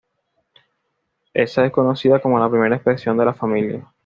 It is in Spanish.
Esa es conocida como la primera expresión de "La Familia".